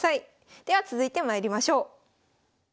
では続いてまいりましょう。